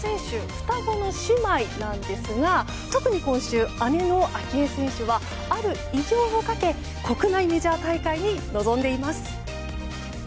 双子の姉妹なんですが特に今週、姉の明愛選手はある偉業をかけ国内メジャー大会に臨んでいます。